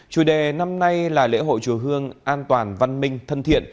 chủ đề năm nay là lễ hội chùa hương an toàn văn minh thân thiện